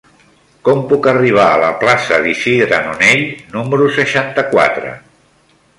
Com puc arribar a la plaça d'Isidre Nonell número seixanta-quatre?